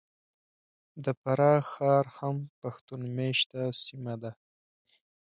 د فراه ښار هم پښتون مېشته سیمه ده .